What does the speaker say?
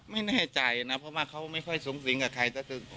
ไม่แน่ใจนะเพราะว่าเขาไม่ค่อยสูงสิงกับใครก็คือ